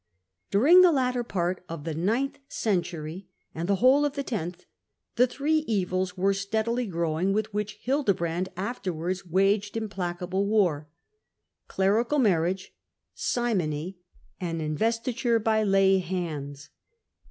During the latter part of the ninth century and the whole of the tenth, the three evils were steadily growing with which Hildebrand afterwards waged im placable war— clerical marriage, simony, and investiture y by lay hands.